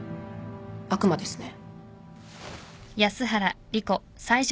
悪魔ですね。